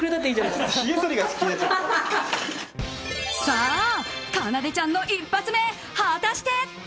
さあ、かなでちゃんの１発目果たして。